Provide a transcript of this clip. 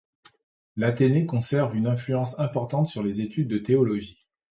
L'Athénée conserve une influence importante sur les études de théologie.